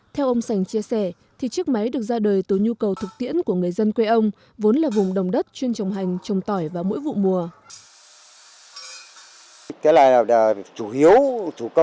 theo ông sành chia sẻ thì chiếc máy được ra đời từ nhu cầu thực tiễn của người dân quê ông vốn là vùng đồng đất chuyên trồng hành trồng tỏi vào mỗi vụ mùa